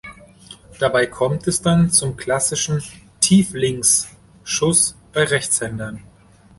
Dabei kommt es dann zum klassischen "Tieflinks"-Schuss bei Rechtshändern.